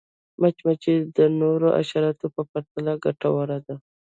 مچمچۍ د نورو حشراتو په پرتله ګټوره ده